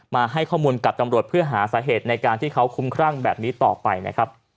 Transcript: มาให้ข้อมูลกับตำรวจเพื่อหาสาเหตุในการที่เขาคุ้มครั่งแบบนี้ต่อไปนะครับ